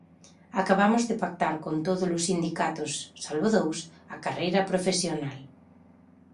Acabamos de pactar con todos os sindicatos, salvo dous, a carreira profesional.